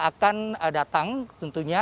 akan datang tentunya